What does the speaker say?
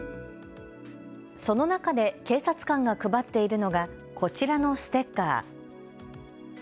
その中で警察官が配っているのがこちらのステッカー。